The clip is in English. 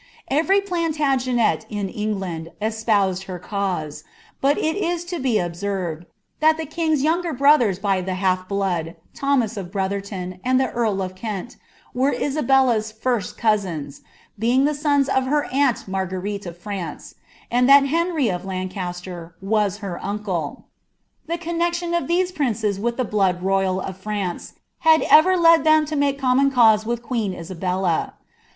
Every Plantagenet in England espoused her cause ; but it is to be baerved, that the king's younger brothers by the half blood, Thomas f Brotherton and the earl of Kent, were Isabella's first cousins, being la sons of her aunt Marguerite of France, and that Henry of Lancaster ras her ancle. The connexion of these princes with the blood royal f Fiance, had ever led them to make common cause with queen Isa dla.